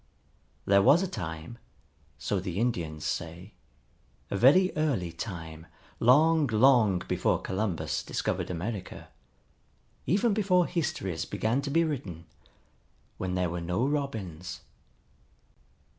There was a time, so the Indians say, a very early time, long, long before Columbus discovered America, even before histories began to be written, when there were no Robins.